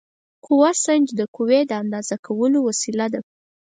قوه سنج د قوې د اندازه کولو وسیله ده.